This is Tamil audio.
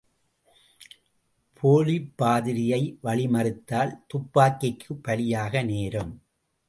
போலிப்பாதிரியை வழிமறித்தால் துப்பாக்கிக்குப் பலியாக நேரும்!